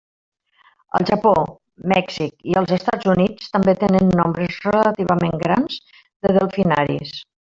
El Japó, Mèxic i els Estats Units també tenen nombres relativament grans de delfinaris.